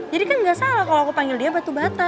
jadi kan gak salah kalau aku panggil dia batu bata